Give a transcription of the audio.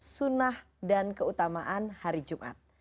sunnah dan keutamaan hari jumat